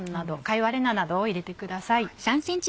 かいわれ菜などを入れてください。